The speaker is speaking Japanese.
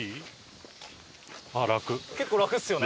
結構楽ですよね？